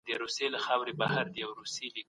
د انصارو او مهاجرينو ورورولي يوه ښه بيلګه ده.